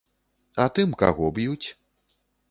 А тым, каго б'юць?